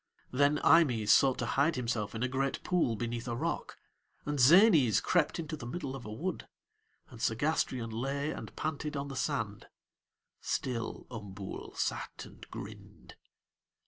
Then Eimës sought to hide himself in a great pool beneath a rock, and Zänës crept into the middle of a wood, and Segástrion lay and panted on the sand still Umbool sat and grinned.